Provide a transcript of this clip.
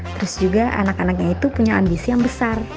terus juga anak anaknya itu punya ambisi yang besar